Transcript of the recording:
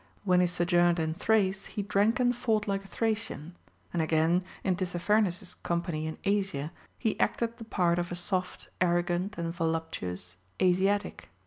When he sojourned in Thrace, he drank and fought like a Thracian ; and again, in Tissaphernes's com pany in Asia, he acted the part of a soft, arrogant, and voluptuous Asiatic.